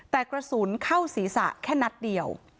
แต่กระสุนเข้าศีรษะแค่นัดเดียว